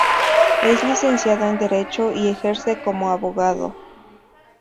Es Licenciado en Derecho y ejerce como abogado.